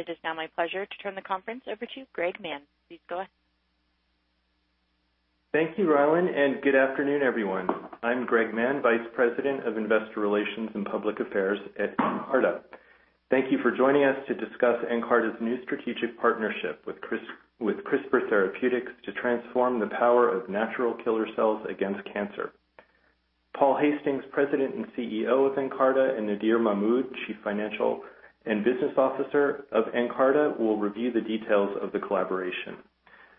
It is now my pleasure to turn the conference over to Greg Mann. Please go ahead. Thank you, Rylan, and good afternoon, everyone. I'm Greg Mann, Vice President of Investor Relations and Public Affairs at Nkarta. Thank you for joining us to discuss Nkarta's new strategic partnership with CRISPR Therapeutics to transform the power of natural killer cells against cancer. Paul Hastings, President and Chief Executive Officer of Nkarta, and Nadir Mahmood, Chief Financial and Business Officer of Nkarta, will review the details of the collaboration.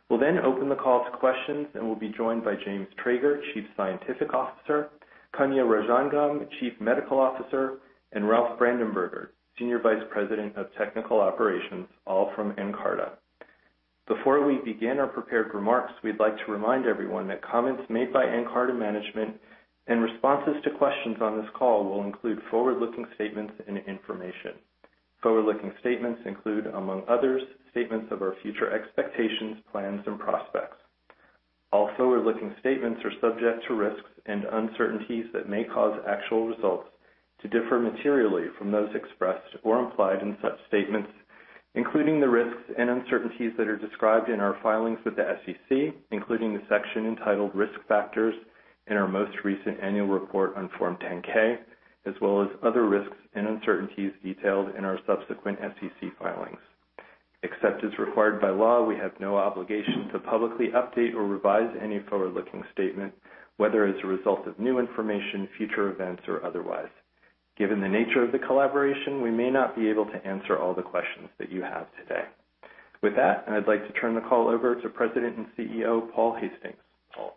We'll then open the call to questions and will be joined by James Trager, Chief Scientific Officer, Kanya Rajangam, Chief Medical Officer, and Ralph Brandenberger, Senior Vice President of Technical Operations, all from Nkarta. Before we begin our prepared remarks, we'd like to remind everyone that comments made by Nkarta management and responses to questions on this call will include forward-looking statements and information. Forward-looking statements include, among others, statements of our future expectations, plans, and prospects. All forward-looking statements are subject to risks and uncertainties that may cause actual results to differ materially from those expressed or implied in such statements, including the risks and uncertainties that are described in our filings with the SEC, including the section entitled Risk Factors in our most recent annual report on Form 10-K, as well as other risks and uncertainties detailed in our subsequent SEC filings. Except as required by law, we have no obligation to publicly update or revise any forward-looking statement, whether as a result of new information, future events, or otherwise. Given the nature of the collaboration, we may not be able to answer all the questions that you have today. With that, I'd like to turn the call over to President and CEO, Paul Hastings. Paul.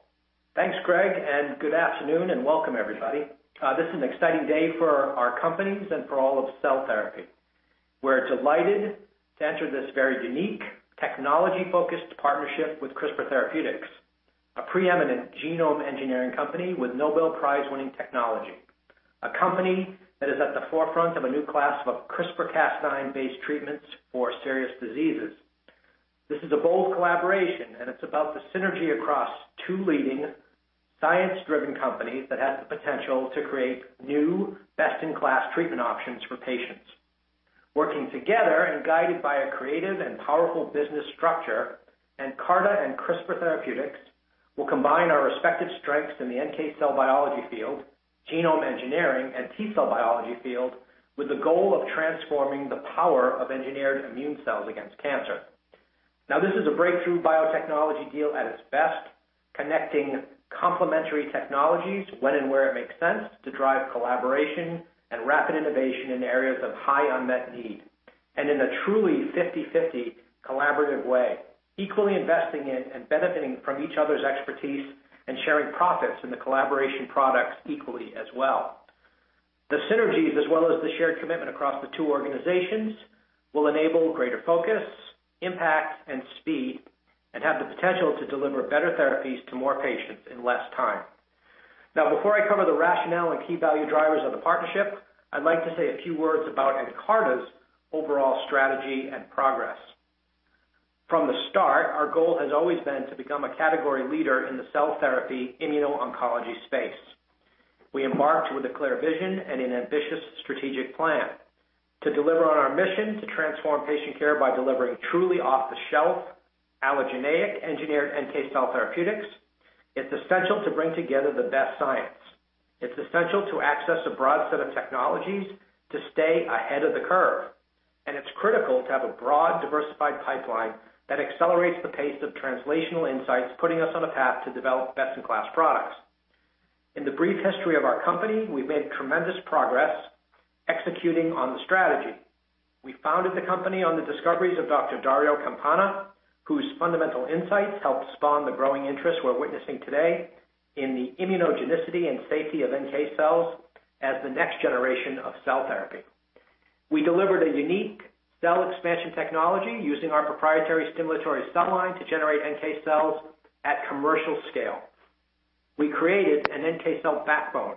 Thanks, Greg, and good afternoon, and welcome everybody. This is an exciting day for our companies and for all of cell therapy. We're delighted to enter this very unique technology-focused partnership with CRISPR Therapeutics, a preeminent genome engineering company with Nobel Prize-winning technology, a company that is at the forefront of a new class of CRISPR-Cas9-based treatments for serious diseases. This is a bold collaboration, and it's about the synergy across two leading science-driven companies that has the potential to create new best-in-class treatment options for patients. Working together and guided by a creative and powerful business structure, Nkarta and CRISPR Therapeutics will combine our respective strengths in the NK cell biology field, genome engineering, and T-cell biology field with the goal of transforming the power of engineered immune cells against cancer. This is a breakthrough biotechnology deal at its best, connecting complementary technologies when and where it makes sense to drive collaboration and rapid innovation in areas of high unmet need, and in a truly 50/50 collaborative way, equally investing in and benefiting from each other's expertise and sharing profits in the collaboration products equally as well. The synergies as well as the shared commitment across the two organizations will enable greater focus, impact, and speed and have the potential to deliver better therapies to more patients in less time. Before I cover the rationale and key value drivers of the partnership, I'd like to say a few words about Nkarta's overall strategy and progress. From the start, our goal has always been to become a category leader in the cell therapy immuno-oncology space. We embarked with a clear vision and an ambitious strategic plan to deliver on our mission to transform patient care by delivering truly off-the-shelf allogeneic engineered NK cell therapeutics. It's essential to bring together the best science. It's essential to access a broad set of technologies to stay ahead of the curve. It's critical to have a broad, diversified pipeline that accelerates the pace of translational insights, putting us on a path to develop best-in-class products. In the brief history of our company, we've made tremendous progress executing on the strategy. We founded the company on the discoveries of Dr. Dario Campana, whose fundamental insights helped spawn the growing interest we're witnessing today in the immunogenicity and safety of NK cells as the next generation of cell therapy. We delivered a unique cell expansion technology using our proprietary stimulatory cell line to generate NK cells at commercial scale. We created an NK cell backbone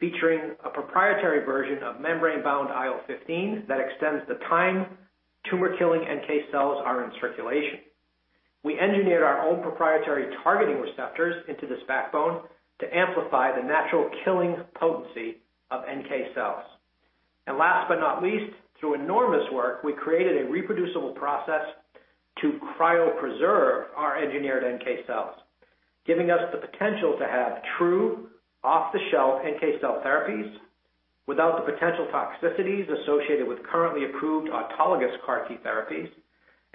featuring a proprietary version of membrane-bound IL-15 that extends the time tumor-killing NK cells are in circulation. We engineered our own proprietary targeting receptors into this backbone to amplify the natural killing potency of NK cells. Last but not least, through enormous work, we created a reproducible process to cryo-preserve our engineered NK cells, giving us the potential to have true off-the-shelf NK cell therapies without the potential toxicities associated with currently approved autologous CAR T therapies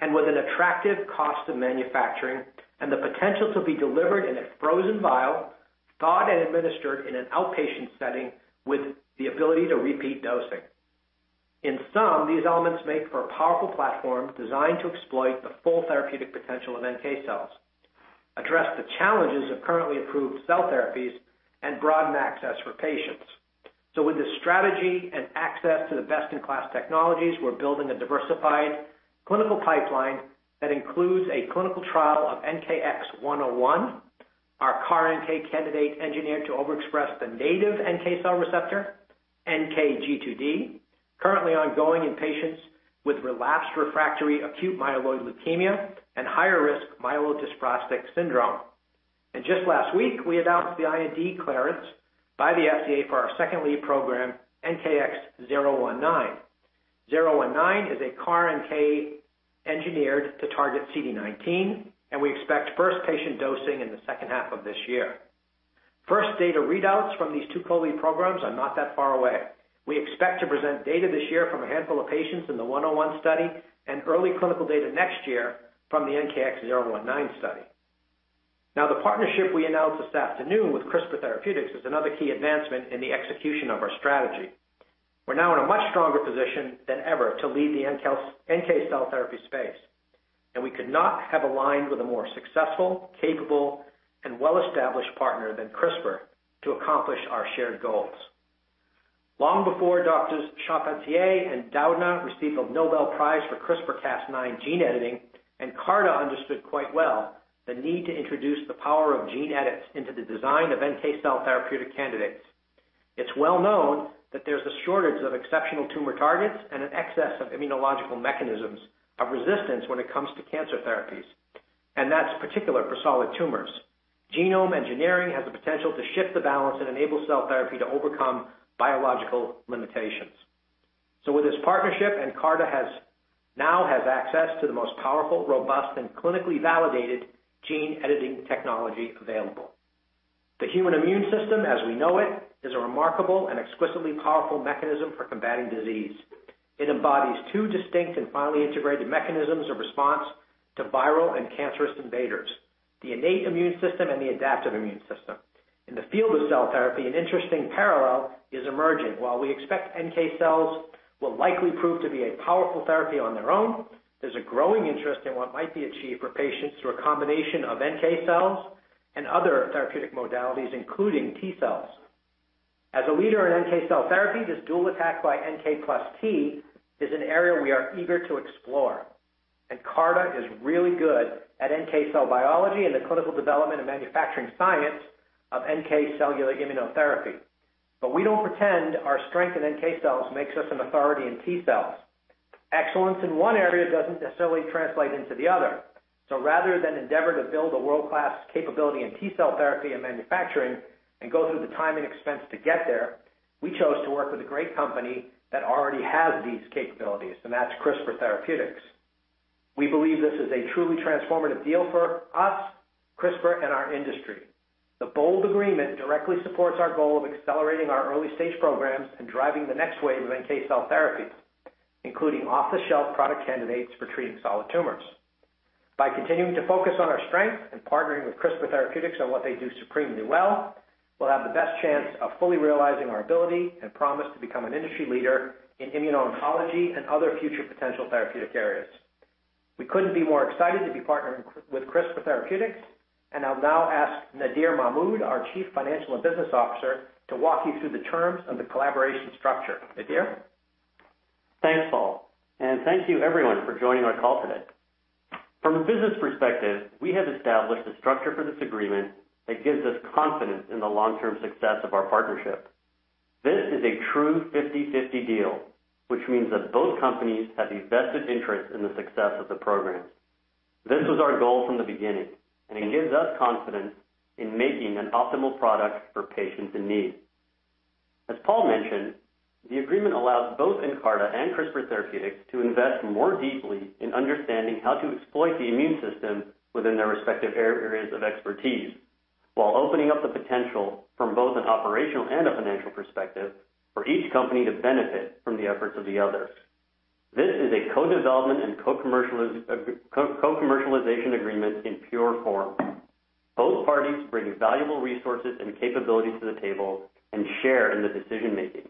and with an attractive cost of manufacturing and the potential to be delivered in a frozen vial, thawed and administered in an outpatient setting with the ability to repeat dosing. In sum, these elements make for a powerful platform designed to exploit the full therapeutic potential of NK cells, address the challenges of currently approved cell therapies, and broaden access for patients. With this strategy and access to the best-in-class technologies, we're building a diversified clinical pipeline that includes a clinical trial of NKX101, our CAR-NK candidate engineered to overexpress the native NK cell receptor, NKG2D, currently ongoing in patients with relapsed/refractory acute myeloid leukemia and higher risk myelodysplastic syndrome. Just last week, we announced the IND clearance by the FDA for our second lead program, NKX019. NKX019 is a CAR-NK engineered to target CD19, and we expect first patient dosing in the second half of this year. First data readouts from these two co-lead programs are not that far away. We expect to present data this year from a handful of patients in the 101 study and early clinical data next year from the NKX019 study. The partnership we announced this afternoon with CRISPR Therapeutics is another key advancement in the execution of our strategy. We're now in a much stronger position than ever to lead the NK cell therapy space, and we could not have aligned with a more successful, capable, and well-established partner than CRISPR to accomplish our shared goals. Long before Drs. Charpentier and Doudna received the Nobel Prize for CRISPR-Cas9 gene editing, Nkarta understood quite well the need to introduce the power of gene edits into the design of NK cell therapeutic candidates. It's well-known that there's a shortage of exceptional tumor targets and an excess of immunological mechanisms of resistance when it comes to cancer therapies, and that's particular for solid tumors. Genome engineering has the potential to shift the balance and enable cell therapy to overcome biological limitations. With this partnership, Nkarta now has access to the most powerful, robust, and clinically validated gene editing technology available. The human immune system, as we know it, is a remarkable and exquisitely powerful mechanism for combating disease. It embodies two distinct and finely integrated mechanisms of response to viral and cancerous invaders, the innate immune system and the adaptive immune system. In the field of cell therapy, an interesting parallel is emerging. While we expect NK cells will likely prove to be a powerful therapy on their own, there's a growing interest in what might be achieved for patients through a combination of NK cells and other therapeutic modalities, including T cells. As a leader in NK cell therapy, this dual attack by NK plus T is an area we are eager to explore. Nkarta is really good at NK cell biology and the clinical development of manufacturing science of NK cellular immunotherapy. We don't pretend our strength in NK cells makes us an authority in T cells. Excellence in one area doesn't necessarily translate into the other. Rather than endeavor to build a world-class capability in T cell therapy and manufacturing and go through the time and expense to get there, we chose to work with a great company that already has these capabilities, and that's CRISPR Therapeutics. We believe this is a truly transformative deal for us, CRISPR, and our industry. The bold agreement directly supports our goal of accelerating our early-stage programs and driving the next wave of NK cell therapies, including off-the-shelf product candidates for treating solid tumors. By continuing to focus on our strength and partnering with CRISPR Therapeutics on what they do supremely well, we'll have the best chance of fully realizing our ability and promise to become an industry leader in immuno-oncology and other future potential therapeutic areas. We couldn't be more excited to be partnering with CRISPR Therapeutics, and I'll now ask Nadir Mahmood, our Chief Financial and Business Officer, to walk you through the terms of the collaboration structure. Nadir? Thanks, Paul. Thank you everyone for joining our call today. From a business perspective, we have established a structure for this agreement that gives us confidence in the long-term success of our partnership. This is a true 50/50 deal, which means that both companies have a vested interest in the success of the program. This was our goal from the beginning, and it gives us confidence in making an optimal product for patients in need. As Paul mentioned, the agreement allows both Nkarta and CRISPR Therapeutics to invest more deeply in understanding how to exploit the immune system within their respective areas of expertise, while opening up the potential from both an operational and a financial perspective for each company to benefit from the efforts of the other. This is a co-development and co-commercialization agreement in pure form. Both parties bring valuable resources and capabilities to the table and share in the decision-making.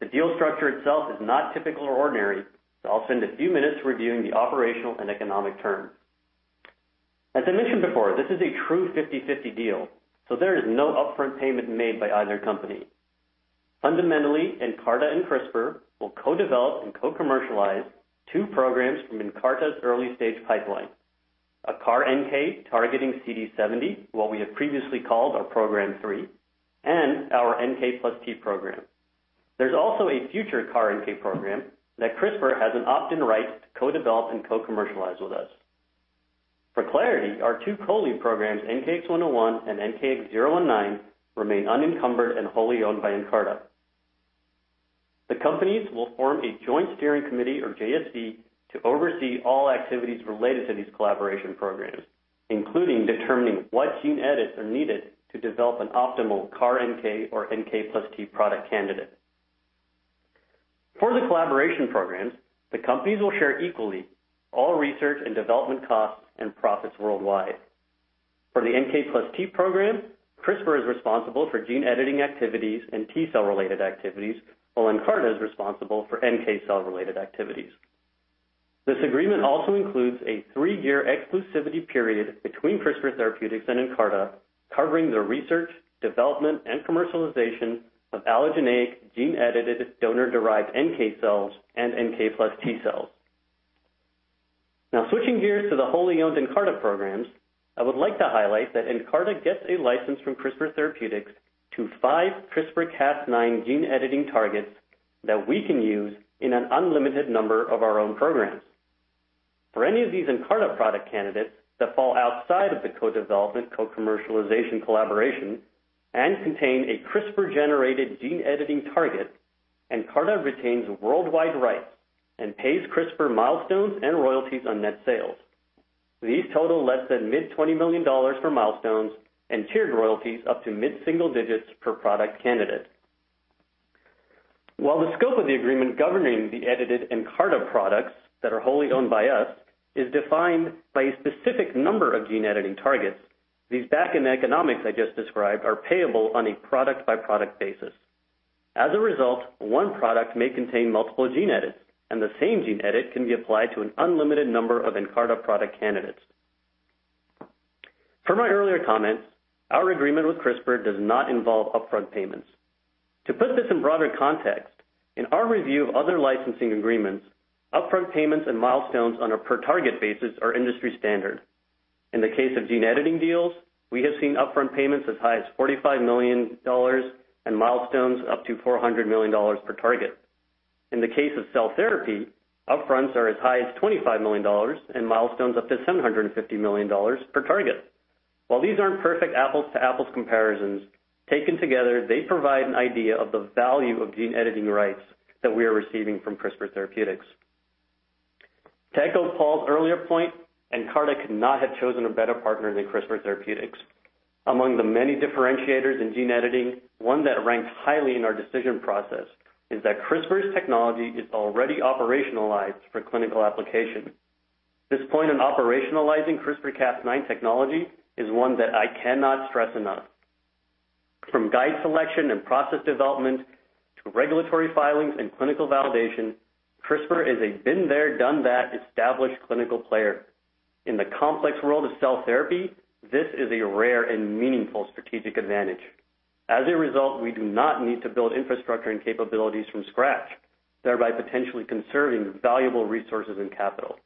The deal structure itself is not typical or ordinary, so I'll spend a few minutes reviewing the operational and economic terms. As I mentioned before, this is a true 50/50 deal, so there is no upfront payment made by either company. Fundamentally, Nkarta and CRISPR will co-develop and co-commercialize two programs from Nkarta's early-stage pipeline, a CAR-NK targeting CD70, what we have previously called our Program three, and our NK plus T program. There's also a future CAR-NK program that CRISPR has an opt-in right to co-develop and co-commercialize with us. For clarity, our two co-lead programs, NKX101 and NKX019, remain unencumbered and wholly owned by Nkarta. The companies will form a joint steering committee, or JSC, to oversee all activities related to these collaboration programs, including determining what gene edits are needed to develop an optimal CAR-NK or NK plus T product candidate. For the collaboration programs, the companies will share equally all research and development costs and profits worldwide. For the NK plus T program, CRISPR is responsible for gene editing activities and T cell-related activities, while Nkarta is responsible for NK cell-related activities. This agreement also includes a three-year exclusivity period between CRISPR Therapeutics and Nkarta, covering the research, development, and commercialization of allogeneic gene-edited donor-derived NK cells and NK plus T cells. Switching gears to the wholly owned Nkarta programs, I would like to highlight that Nkarta gets a license from CRISPR Therapeutics to five CRISPR-Cas9 gene editing targets that we can use in an unlimited number of our own programs. For any of these Nkarta product candidates that fall outside of the co-development, co-commercialization collaboration and contain a CRISPR-generated gene-editing target, Nkarta retains worldwide rights and pays CRISPR milestones and royalties on net sales. These total less than mid $20 million for milestones and tiered royalties up to mid-single digits per product candidate. While the scope of the agreement governing the edited Nkarta products that are wholly owned by us is defined by a specific number of gene-editing targets, these back-end economics I just described are payable on a product-by-product basis. As a result, one product may contain multiple gene edits, and the same gene edit can be applied to an unlimited number of Nkarta product candidates. Per my earlier comments, our agreement with CRISPR does not involve upfront payments. To put this in broader context, in our review of other licensing agreements, upfront payments and milestones on a per-target basis are industry standard. In the case of gene-editing deals, we have seen upfront payments as high as $45 million and milestones up to $400 million per target. In the case of cell therapy, upfronts are as high as $25 million and milestones up to $750 million per target. While these aren't perfect apples-to-apples comparisons, taken together, they provide an idea of the value of gene-editing rights that we are receiving from CRISPR Therapeutics. To echo Paul's earlier point, Nkarta could not have chosen a better partner than CRISPR Therapeutics. Among the many differentiators in gene editing, one that ranks highly in our decision process is that CRISPR's technology is already operationalized for clinical application. This point on operationalizing CRISPR-Cas9 technology is one that I cannot stress enough. From guide selection and process development to regulatory filings and clinical validation, CRISPR is a been-there, done-that established clinical player. In the complex world of cell therapy, this is a rare and meaningful strategic advantage. As a result, we do not need to build infrastructure and capabilities from scratch, thereby potentially conserving valuable resources and capital.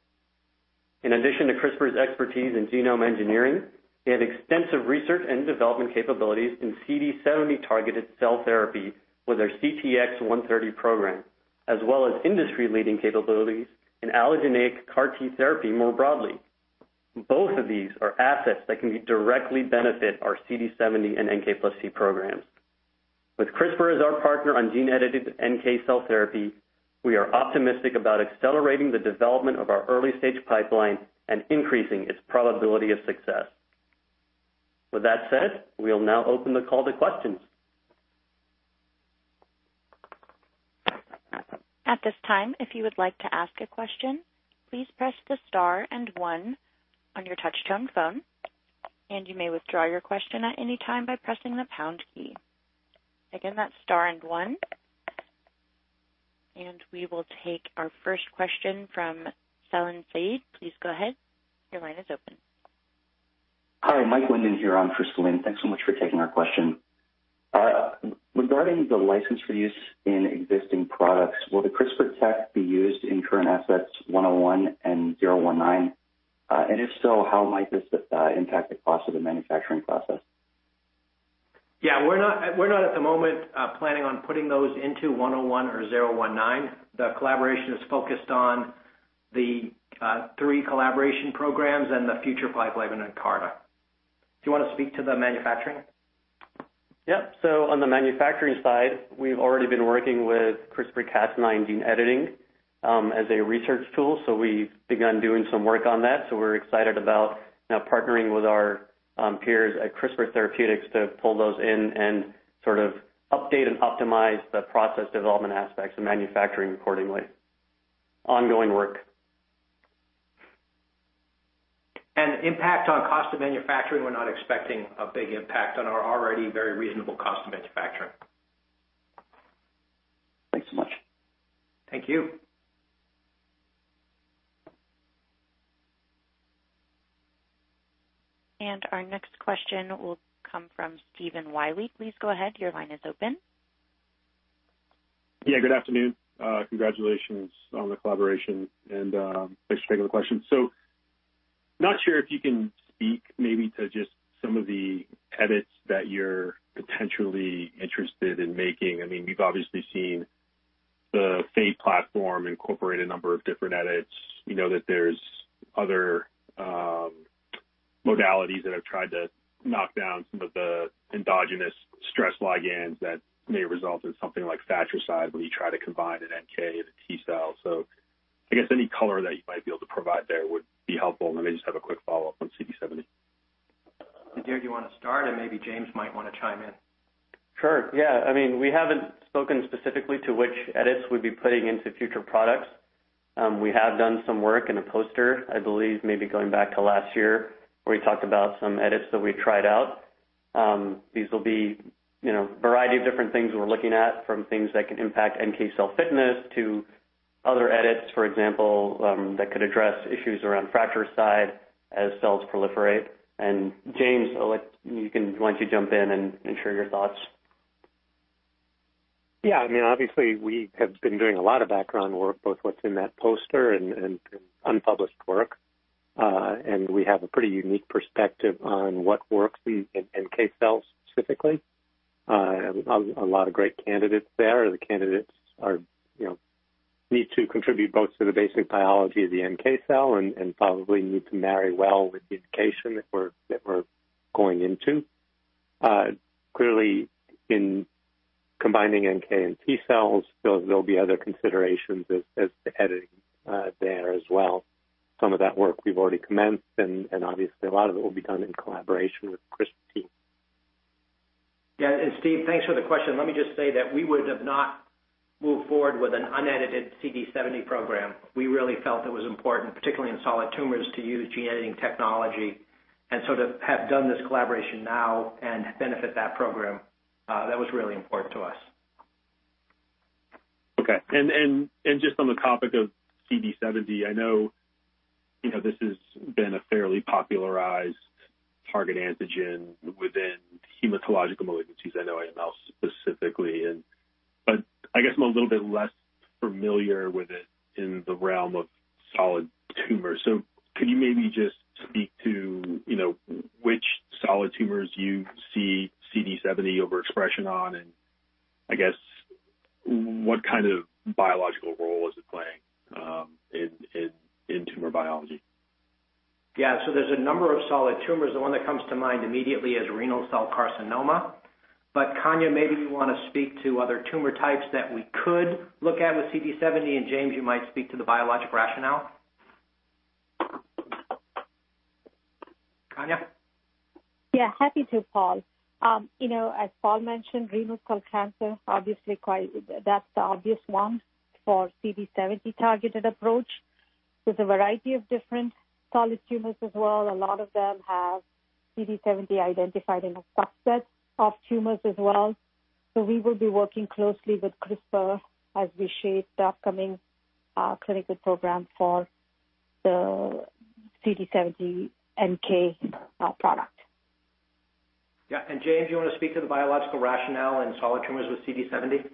In addition to CRISPR's expertise in genome engineering, they have extensive research and development capabilities in CD70-targeted cell therapy with their CTX130 program, as well as industry-leading capabilities in allogeneic CAR T therapy more broadly. Both of these are assets that can directly benefit our CD70 and NK plus T programs. With CRISPR as our partner on gene-edited NK cell therapy, we are optimistic about accelerating the development of our early-stage pipeline and increasing its probability of success. With that said, we'll now open the call to questions. We will take our first question from Salim Syed. Please go ahead. Your line is open. Hi, Mike Linden here on for Salim. Thanks so much for taking our question. Regarding the license for use in existing products, will the CRISPR tech be used in current assets NKX101 and NKX019? If so, how might this impact the cost of the manufacturing process? We're not at the moment planning on putting those into NKX101 or NKX019. The collaboration is focused on the three collaboration programs and the future pipeline in Nkarta. Do you want to speak to the manufacturing? Yep. On the manufacturing side, we've already been working with CRISPR-Cas9 gene editing as a research tool. We've begun doing some work on that. We're excited about now partnering with our peers at CRISPR Therapeutics to pull those in and sort of update and optimize the process development aspects of manufacturing accordingly. Ongoing work. Impact on cost of manufacturing, we're not expecting a big impact on our already very reasonable cost of manufacturing. Thanks so much. Thank you. Our next question will come from Stephen Willey. Please go ahead. Your line is open. Yeah, good afternoon. Congratulations on the collaboration and thanks for taking the question. Not sure if you can speak maybe to just some of the edits that you're potentially interested in making. We've obviously seen the Fate platform incorporate a number of different edits. We know that there's other modalities that have tried to knock down some of the endogenous stress ligands that may result in something like fratricide when you try to combine an NK and a T cell. I guess any color that you might be able to provide there would be helpful. Then I just have a quick follow-up on CD70. Nadir, do you want to start? Maybe James might want to chime in. Sure. Yeah. We haven't spoken specifically to which edits we'd be putting into future products. We have done some work in a poster, I believe maybe going back to last year, where we talked about some edits that we tried out. These will be a variety of different things that we're looking at, from things that can impact NK cell fitness to other edits, for example, that could address issues around fratricide as cells proliferate. James, why don't you jump in and share your thoughts? Yeah. Obviously, we have been doing a lot of background work, both what's in that poster and unpublished work. We have a pretty unique perspective on what works in NK cells specifically. A lot of great candidates there. The candidates need to contribute both to the basic biology of the NK cell and probably need to marry well with the indication that we're going into. Clearly, in combining NK and T cells, there'll be other considerations as to editing there as well. Some of that work we've already commenced, and obviously a lot of it will be done in collaboration with CRISPR team. Yeah. Steve, thanks for the question. Let me just say that we would have not moved forward with an unedited CD70 program. We really felt it was important, particularly in solid tumors, to use gene editing technology, and so to have done this collaboration now and benefit that program, that was really important to us. Okay. Just on the topic of CD70, I know this has been a fairly popularized target antigen within hematological malignancies, I know AML specifically, but I guess I'm a little bit less familiar with it in the realm of solid tumors. Can you maybe just speak to which solid tumors you see CD70 overexpression on, and I guess what kind of biological role is it playing in tumor biology? Yeah. There's a number of solid tumors. The one that comes to mind immediately is renal cell carcinoma. Kanya, maybe you want to speak to other tumor types that we could look at with CD70, and James, you might speak to the biologic rationale. Kanya? Happy to, Paul. As Paul mentioned, renal cell carcinoma, that's the obvious one for CD70-targeted approach. There's a variety of different solid tumors as well. A lot of them have CD70 identified in a subset of tumors as well. We will be working closely with CRISPR as we shape the upcoming clinical program for the CD70 NK product. Yeah. James, you want to speak to the biological rationale in solid tumors with CD70?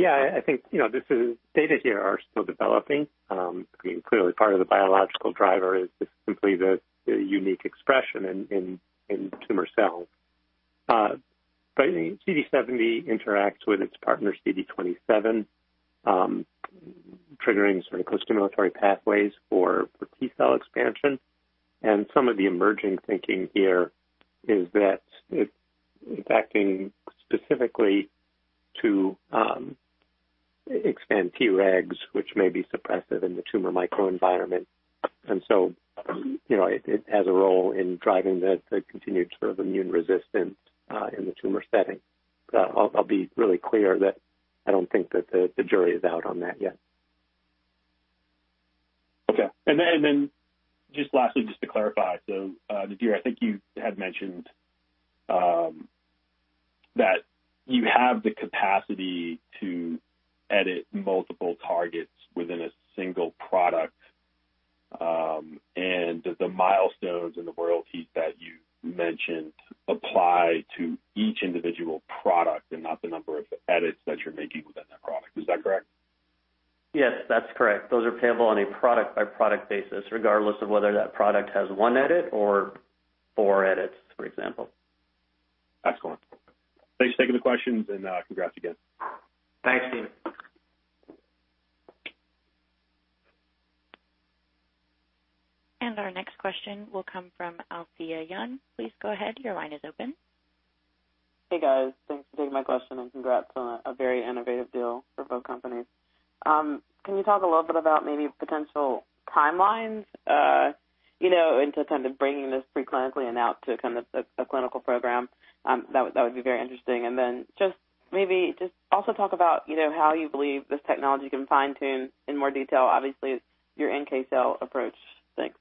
Yeah, I think, data here are still developing. Clearly part of the biological driver is just simply the unique expression in tumor cells. CD70 interacts with its partner, CD27, triggering sort of costimulatory pathways for T cell expansion. Some of the emerging thinking here is that it's impacting specifically to expand Tregs, which may be suppressive in the tumor microenvironment. It has a role in driving the continued sort of immune resistance in the tumor setting. I'll be really clear that I don't think that the jury is out on that yet. Okay. Just lastly, just to clarify, Nadir, I think you had mentioned that you have the capacity to edit multiple targets within a single product, and the milestones and the royalties that you mentioned apply to each individual product and not the number of edits that you're making within that product. Is that correct? Yes, that's correct. Those are payable on a product-by-product basis, regardless of whether that product has one edit or four edits, for example. Excellent. Thanks for taking the questions, and congrats again. Thanks, Stephen. Our next question will come from Alethia Young. Please go ahead. Your line is open. Hey, guys. Thanks for taking my question, congrats on a very innovative deal for both companies. Can you talk a little bit about maybe potential timelines into kind of bringing this pre-clinically and out to kind of a clinical program? That would be very interesting. Just maybe just also talk about how you believe this technology can fine-tune in more detail, obviously, your NK cell approach. Thanks.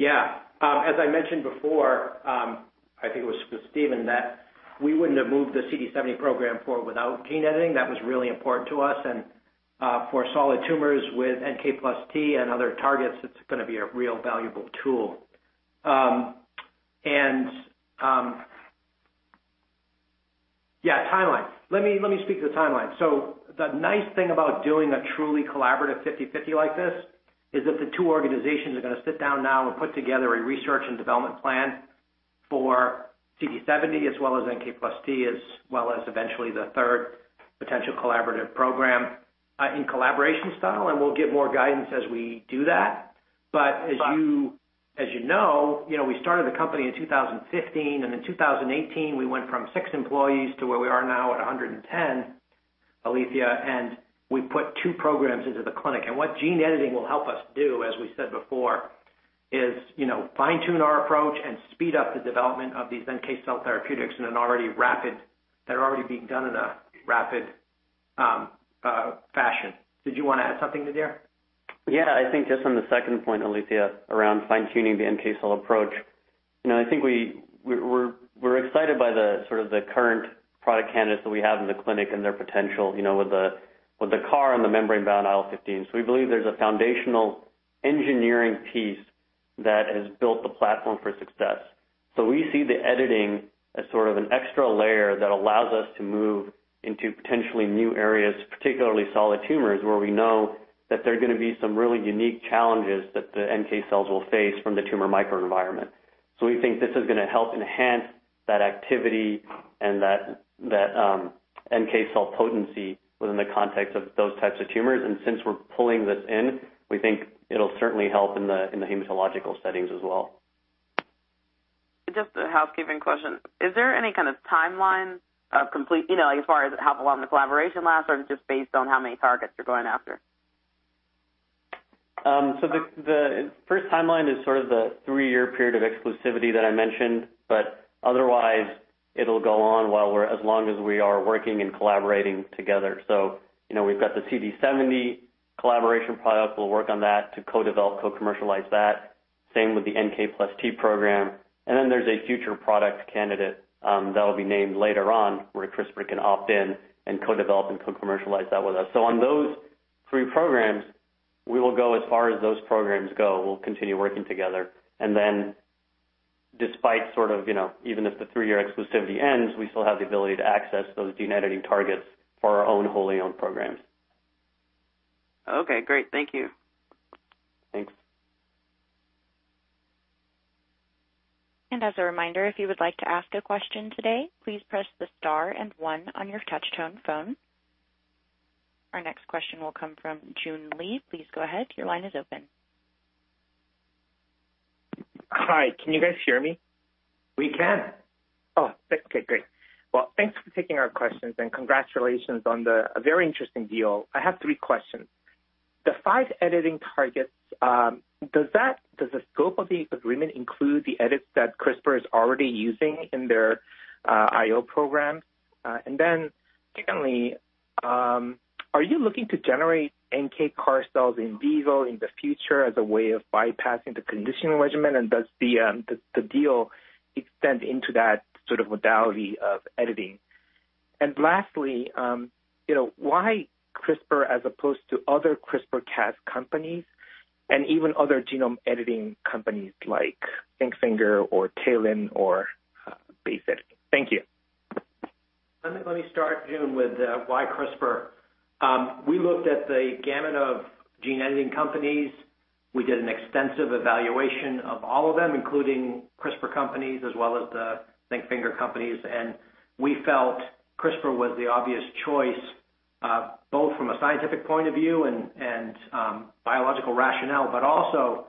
Yeah. As I mentioned before, I think it was to Stephen, that we wouldn't have moved the CD70 program forward without gene editing. That was really important to us. For solid tumors with NK plus T and other targets, it's going to be a real valuable tool. Yeah, timeline. Let me speak to the timeline. The nice thing about doing a truly collaborative 50/50 like this is that the two organizations are going to sit down now and put together a research and development plan for CD70 as well as NK plus T, as well as eventually the third potential collaborative program in collaboration style, and we'll give more guidance as we do that. As you know, we started the company in 2015, and in 2018, we went from six employees to where we are now at 110, Althea, and we put two programs into the clinic. What gene editing will help us do, as we said before, is fine-tune our approach and speed up the development of these NK cell therapeutics that are already being done in a rapid fashion. Did you want to add something, Nadir? Yeah, I think just on the second point, Althea, around fine-tuning the NK cell approach, I think we're excited by the sort of the current product candidates that we have in the clinic and their potential, with the CAR and the membrane-bound IL-15. We believe there's a foundational engineering piece that has built the platform for success. We see the editing as sort of an extra layer that allows us to move into potentially new areas, particularly solid tumors, where we know that there are going to be some really unique challenges that the NK cells will face from the tumor microenvironment. We think this is going to help enhance that activity and that NK cell potency within the context of those types of tumors. Since we're pulling this in, we think it'll certainly help in the hematological settings as well. Just a housekeeping question. Is there any kind of timeline of complete, as far as how long the collaboration lasts, or is it just based on how many targets you're going after? The first timeline is sort of the three-year period of exclusivity that I mentioned, but otherwise it'll go on as long as we are working and collaborating together. We've got the CD70 collaboration product. We'll work on that to co-develop, co-commercialize that. Same with the NK plus T program. There's a future product candidate that'll be named later on, where CRISPR can opt in and co-develop and co-commercialize that with us. On those three programs, we will go as far as those programs go. We'll continue working together. Despite sort of, even if the three-year exclusivity ends, we still have the ability to access those gene-editing targets for our own wholly-owned programs. Okay, great. Thank you. Thanks. Our next question will come from Joon Lee. Hi, can you guys hear me? We can. Oh, okay, great. Well, thanks for taking our questions and congratulations on the very interesting deal. I have three questions. The five editing targets, does the scope of the agreement include the edits that CRISPR is already using in their IO program? Secondly, are you looking to generate NK CAR cells in vivo in the future as a way of bypassing the conditioning regimen, and does the deal extend into that sort of modality of editing? Lastly, why CRISPR as opposed to other CRISPR-Cas companies and even other genome editing companies like Zinc Finger or TALEN or base editing? Thank you. Let me start, Joon, with why CRISPR. We looked at the gamut of gene editing companies. We did an extensive evaluation of all of them, including CRISPR companies as well as the Zinc Finger companies. We felt CRISPR was the obvious choice, both from a scientific point of view and biological rationale, but also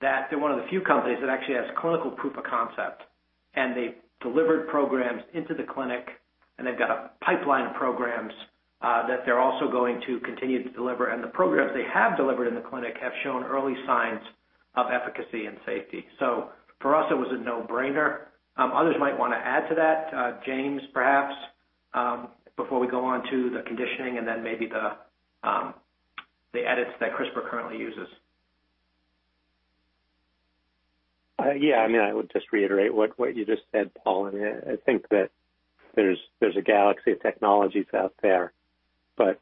that they're one of the few companies that actually has clinical proof of concept, and they've delivered programs into the clinic, and they've got a pipeline of programs that they're also going to continue to deliver. The programs they have delivered in the clinic have shown early signs of efficacy and safety. For us, it was a no-brainer. Others might want to add to that, James perhaps, before we go on to the conditioning and then maybe the edits that CRISPR currently uses. Yeah, I mean, I would just reiterate what you just said, Paul. I think that there's a galaxy of technologies out there. To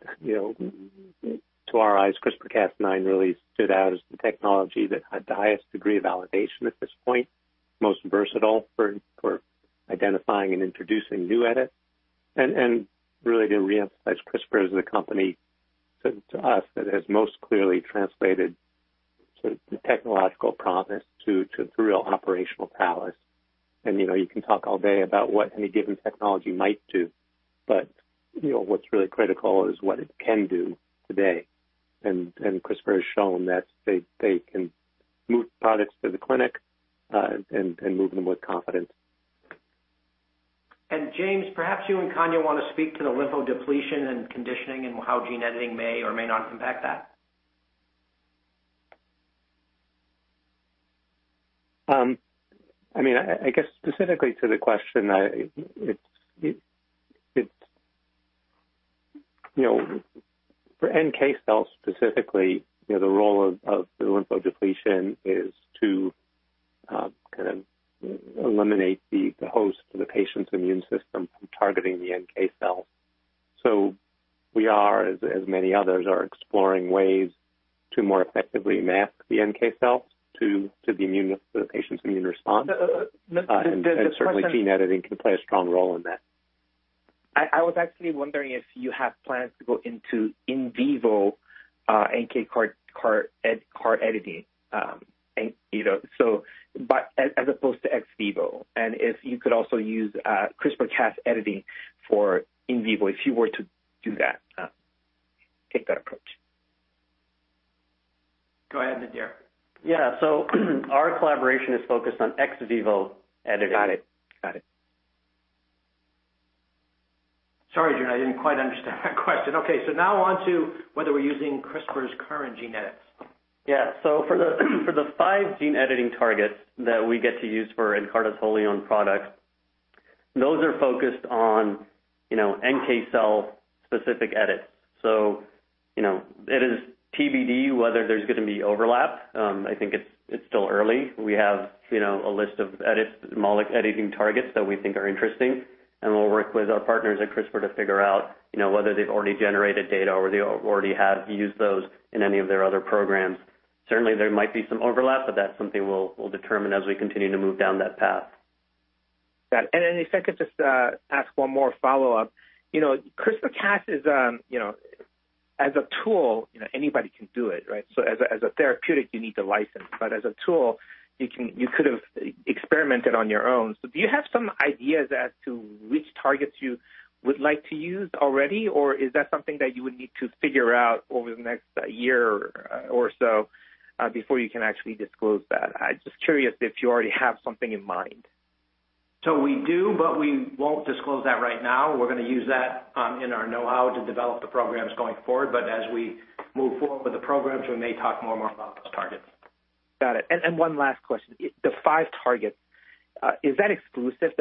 our eyes, CRISPR-Cas really stood out as the technology that had the highest degree of validation at this point, most versatile for identifying and introducing new edits. Really to reemphasize, CRISPR Therapeutics as a company to us that has most clearly translated sort of the technological promise to real operational prowess. You can talk all day about what any given technology might do, but what's really critical is what it can do today. CRISPR Therapeutics has shown that they can move products to the clinic and move them with confidence. James, perhaps you and Kanya want to speak to the lymphodepletion and conditioning and how gene editing may or may not impact that. I mean, I guess specifically to the question, for NK cells specifically, the role of the lymphodepletion is to kind of eliminate the host, the patient's immune system from targeting the NK cells. We are, as many others are, exploring ways to more effectively mask the NK cells to the patient's immune response. The question- Certainly gene editing can play a strong role in that. I was actually wondering if you have plans to go into in vivo NK CAR editing as opposed to ex vivo, and if you could also use CRISPR-Cas editing for in vivo if you were to do that, take that approach. Go ahead, Nadir. Yeah. Our collaboration is focused on ex vivo editing. Got it. Sorry, Joon, I didn't quite understand that question. Okay, now on to whether we're using CRISPR's current gene edits. Yeah. For the five gene editing targets that we get to use for Nkarta's wholly owned products, those are focused on NK cell-specific edits. It is TBD whether there's going to be overlap. I think it's still early. We have a list of edits, editing targets that we think are interesting, and we'll work with our partners at CRISPR to figure out whether they've already generated data or they already have used those in any of their other programs. Certainly, there might be some overlap, but that's something we'll determine as we continue to move down that path. Got it. If I could just ask one more follow-up. CRISPR-Cas is, as a tool, anybody can do it, right? As a therapeutic, you need the license, but as a tool, you could've experimented on your own. Do you have some ideas as to which targets you would like to use already, or is that something that you would need to figure out over the next year or so before you can actually disclose that? I'm just curious if you already have something in mind. We do, but we won't disclose that right now. We're going to use that in our know-how to develop the programs going forward. As we move forward with the programs, we may talk more and more about those targets. Got it. One last question. The five targets, is that exclusive?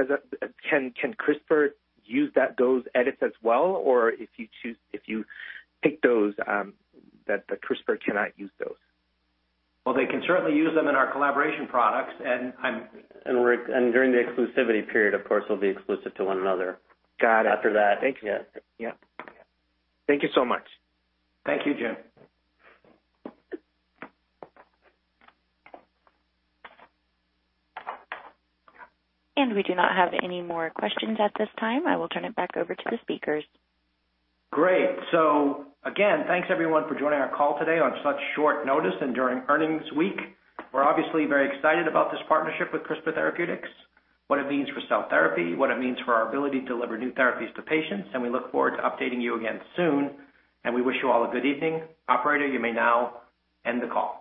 Can CRISPR use those edits as well? If you pick those, that CRISPR cannot use those? Well, they can certainly use them in our collaboration products. And during the exclusivity period, of course, they'll be exclusive to one another. Got it. After that, yeah. Thank you. Yeah. Thank you so much. Thank you, Joon. We do not have any more questions at this time. I will turn it back over to the speakers. Great. Again, thanks everyone for joining our call today on such short notice and during earnings week. We're obviously very excited about this partnership with CRISPR Therapeutics, what it means for cell therapy, what it means for our ability to deliver new therapies to patients, and we look forward to updating you again soon, and we wish you all a good evening. Operator, you may now end the call.